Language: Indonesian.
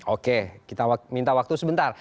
oke kita minta waktu sebentar